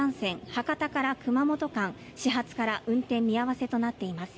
博多から熊本間始発から運転見合わせとなっています。